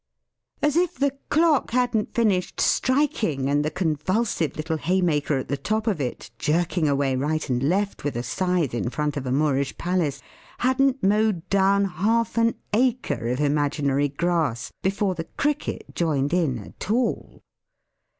As if the clock hadn't finished striking, and the convulsive little Haymaker at the top of it, jerking away right and left with a scythe in front of a Moorish Palace, hadn't mowed down half an acre of imaginary grass before the Cricket joined in at all!